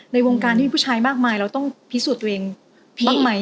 ในวงการที่มีผู้ชายมากมายเราต้องพิสูจน์ตัวเองบ้างไหม